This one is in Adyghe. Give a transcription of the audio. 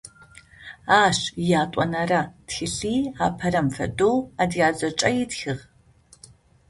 Ащ иятӏонэрэ тхылъи апэрэм фэдэу адыгабзэкӏэ ытхыгъ.